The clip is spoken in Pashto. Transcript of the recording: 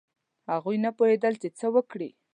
هغوی نه پوهېدل چې څه وکړي.